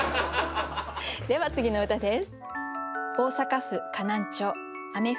では次の歌です。